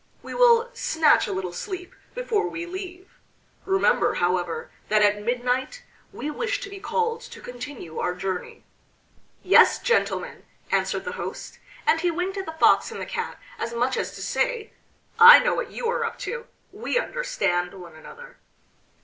We will snatch a little sleep before we leave. Remember, however, that at midnight we wish to be called to continue our journey." "Yes, gentlemen," answered the host, and he winked at the Fox and the Cat as much as to say: "I know what you are up to. We understand one another!"